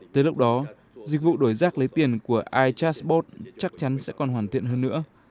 tới lúc đó dịch vụ đổi rác lấy tiền của i chatbot chắc chắn sẽ còn hoàn thiện hơn nữa